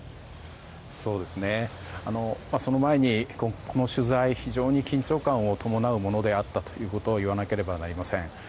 その前にこの取材非常に緊張感を伴うものであったと言わなければなりません。